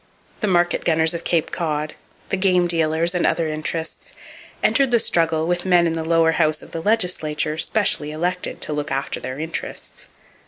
The market gunners of Cape Cod, the game dealers and other interests entered the struggle with men in the lower house of the legislature specially elected to look after their interests.